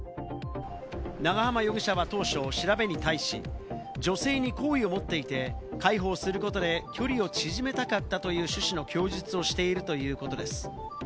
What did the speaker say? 長浜容疑者は当初、調べに対し、女性に好意を持っていて、介抱することで距離を縮めたかったという趣旨の供述をしているということです。